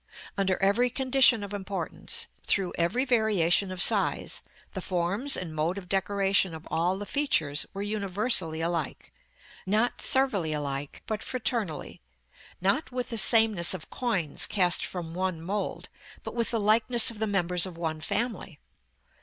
Under every condition of importance, through every variation of size, the forms and mode of decoration of all the features were universally alike; not servilely alike, but fraternally; not with the sameness of coins cast from one mould, but with the likeness of the members of one family.